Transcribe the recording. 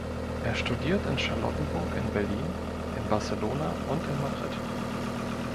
Er studiert in Charlottenburg in Berlin, in Barcelona und in Madrid.